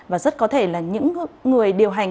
và rất có thể là những người điều hành